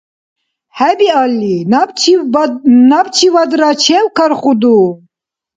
- ХӀебиалли, набчивадра чевкархуду?